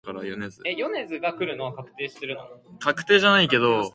The climate in northern Norway is excellent for stockfish production.